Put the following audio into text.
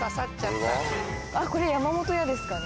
これ山本屋ですかね。